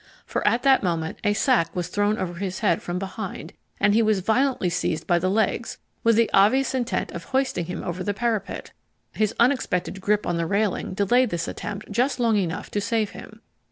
For at that moment a sack was thrown over his head from behind and he was violently seized by the legs, with the obvious intent of hoisting him over the parapet. His unexpected grip on the railing delayed this attempt just long enough to save him.